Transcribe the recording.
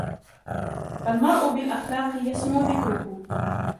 المرء بالأخلاق يسمو ذكره.